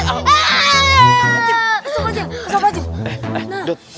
sama pak jil